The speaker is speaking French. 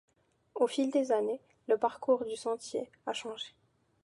Au fil des années, le parcours du sentier a changé.